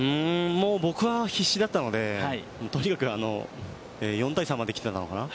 僕は必死だったのでとにかく４対３まで来てたのかな。